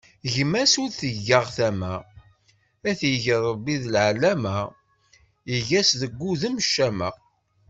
Gma s ur teggaɣ tama, ad t-yeg Ṛebbi d ɛellama, yeg-as deg wudem ccama.